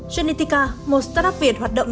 genetica một startup việt hoạt động